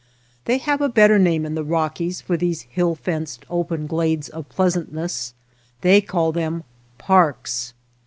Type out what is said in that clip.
They have a better name in the Rockies for these hill fenced open glades of pleasantness ; they call them parks.